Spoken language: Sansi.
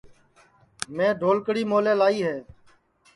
میں ڈھلکڑی مولے لائی ہے